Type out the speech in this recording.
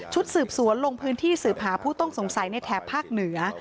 สืบสวนลงพื้นที่สืบหาผู้ต้องสงสัยในแถบภาคเหนือ